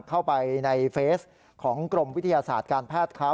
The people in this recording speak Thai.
เข้าไปในเฟสของกรมวิทยาศาสตร์การแพทย์เขา